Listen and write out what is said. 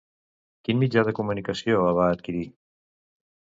Quin mitjà de comunicació el va adquirir?